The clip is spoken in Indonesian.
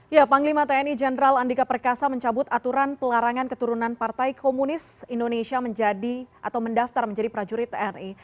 ya panglima tni jenderal andika perkasa mencabut aturan pelarangan keturunan partai komunis indonesia menjadi atau mendaftar menjadi prajurit tni